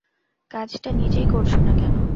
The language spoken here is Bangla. কাজটা নিজেই করছ না কেন?